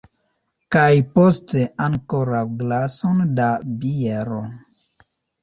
Kaj poste ankoraŭ glason da biero!